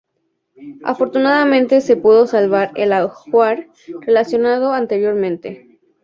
Afortunadamente se pudo salvar el ajuar relacionado anteriormente.